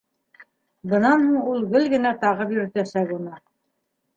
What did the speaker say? Бынан һуң ул гел генә тағып йөрөтәсәк уны.